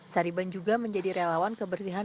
sariban juga menjadi relawan kebersihan